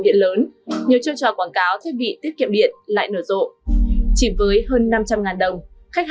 điện lớn nhiều chiêu trò quảng cáo thiết bị tiết kiệm điện lại nở rộ chỉ với hơn năm trăm linh đồng khách